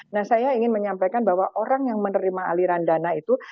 nah saya ingin menyampaikan bahwa orang yang menerima aliran dana itu